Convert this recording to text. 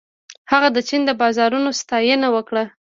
هغه د چین د بازارونو ستاینه وکړه.